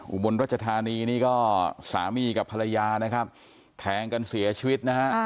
อุบลรัชธานีนี่ก็สามีกับภรรยานะครับแทงกันเสียชีวิตนะฮะ